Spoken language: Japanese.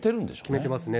決めてますね。